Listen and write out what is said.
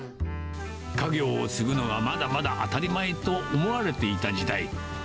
家業を継ぐのはまだまだ当たり前と思われていた時代。